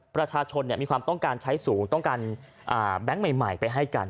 ประชาชนมีความต้องการใช้สูงต้องการแบงค์ใหม่ไปให้กัน